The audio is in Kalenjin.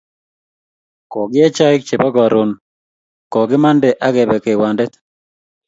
Kokiee chaik chebo karon kokikimande ak kebe kewendate